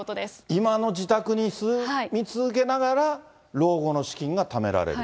今の自宅に住み続けながら老後の資金がためられる。